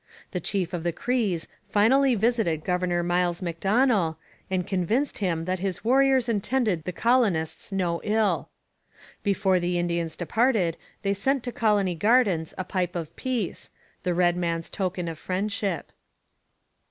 The chief of the Crees finally visited Governor Miles Macdonell, and convinced him that his warriors intended the colonists no ill. Before the Indians departed they sent to Colony Gardens a pipe of peace the red man's token of friendship.